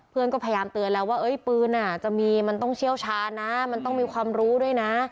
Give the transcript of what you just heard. เพื่อนก็พยายามเตือนแล้วว่าปืนจะมีมันต้องเชี่ยวชาญนะมันต้องมีความรู้ด้วยนะ